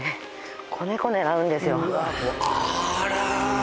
あら。